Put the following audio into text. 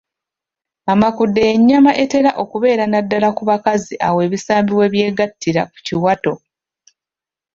Amakudde y’ennyama etera okubeera naddala ku bakazi awo ebisambi we byegattira ku kiwato.